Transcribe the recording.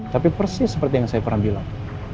tapi persis seperti yang saya pernah bilang